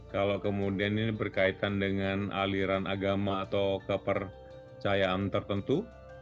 kalau kemudian ini berkaitan dengan aliran agama atau kepercayaan tertentu